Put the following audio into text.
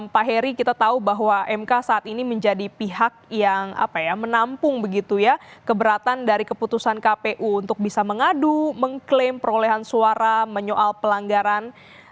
pak heri kita tahu bahwa mk saat ini menjadi pihak yang menampung begitu ya keberatan dari keputusan kpu untuk bisa mengadu mengklaim perolehan suara menyoal pelanggaran